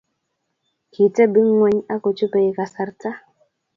kitebi ng'weny ak kochupei kasarta